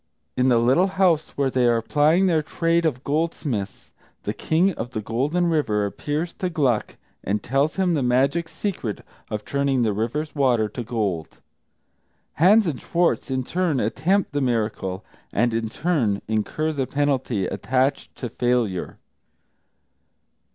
In the little house where they are plying their trade of goldsmiths, the King of the Golden River appears to Gluck and tells him the magic secret of turning the river's waters to gold. Hans and Schwartz in turn attempt the miracle, and in turn incur the penalty attached to failure.